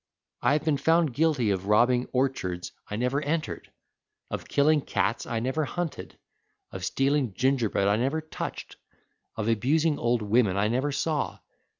I have been found guilty of robbing orchards I never entered, of killing cats I never hunted, of stealing gingerbread I never touched, and of abusing old women I never saw.